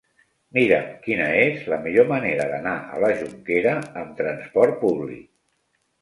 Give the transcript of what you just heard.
Mira'm quina és la millor manera d'anar a la Jonquera amb trasport públic.